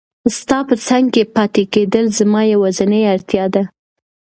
ستا په څنګ کې پاتې کېدل زما یوازینۍ اړتیا ده.